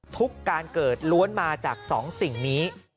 ทุกการเกิดล้วนมาจาก๒สิ่งนี้